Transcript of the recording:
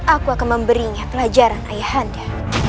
aku akan memberinya pelajaran ayahanda